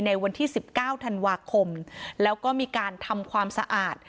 ในวันที่๑๙ธันวาคมแล้วก็มีการทำความสะอาด